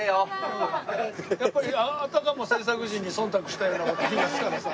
やっぱりあたかも制作陣に忖度したような事言い出すからさ。